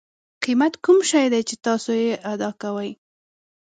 قیمت کوم شی دی چې تاسو یې ادا کوئ.